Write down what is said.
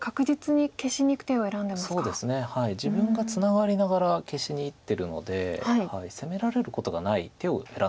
自分がツナがりながら消しにいってるので攻められることがない手を選んでます。